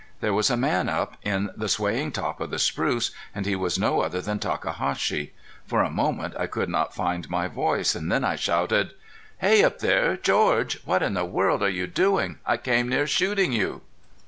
There was a man up in the swaying top of that spruce and he was no other than Takahashi. For a moment I could not find my voice. Then I shouted: "Hey up there, George! What in the world are you doing? I came near shooting you."